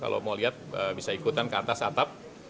lihat bisa ikutan ke atas atap